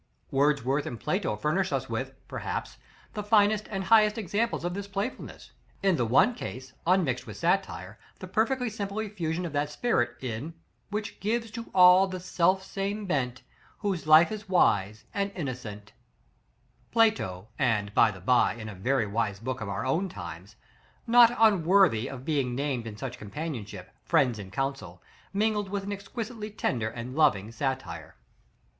Wordsworth and Plato furnish us with, perhaps, the finest and highest examples of this playfulness: in the one case, unmixed with satire, the perfectly simple effusion of that spirit in "Which gives to all the self same bent, Whose life is wise, and innocent;" Plato, and, by the by, in a very wise book of our own times, not unworthy of being named in such companionship, "Friends in Council," mingled with an exquisitely tender and loving satire.